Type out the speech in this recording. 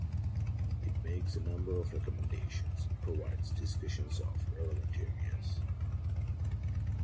It makes a number of recommendations and provides discussions of relevant areas.